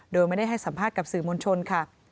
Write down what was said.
โดยไม่ได้ให้สัมภาษณ์กับสื่อมวลชนค่ะ